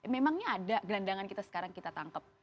memangnya ada gelandangan kita sekarang kita tangkep